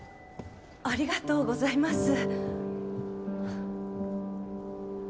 ありがとうございます。